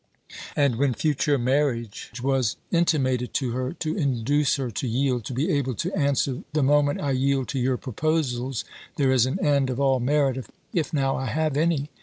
And when future marriage was intimated to her, to induce her to yield, to be able to answer, 'The moment I yield to your proposals, there is an end of all merit, if now I have any.